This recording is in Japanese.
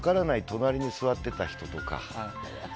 隣に座っていた人とか。